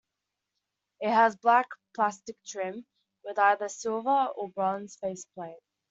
It has black plastic trim with either a silver or bronze face plate.